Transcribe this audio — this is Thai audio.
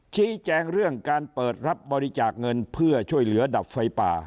ชี้แจงเรื่องการเปิดรับบริจาคเงินเพื่อช่วยเหลือดับไฟป่า